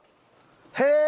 へえ！